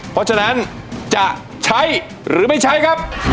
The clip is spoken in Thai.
เพราะฉะนั้นจะใช้หรือไม่ใช้ครับ